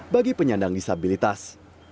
jadi penyandang disabilitas